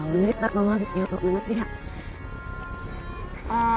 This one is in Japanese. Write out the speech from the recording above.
ああ。